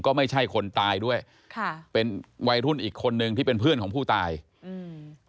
ก็ไม่ใช่คนตายด้วยค่ะเป็นวัยรุ่นอีกคนนึงที่เป็นเพื่อนของผู้ตายอืม